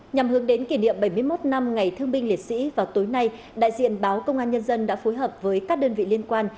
nhằm hướng đến kỷ niệm bảy mươi một năm ngày thương binh liệt sĩ vào tối nay đại diện báo công an nhân dân đã phối hợp với các đơn vị liên quan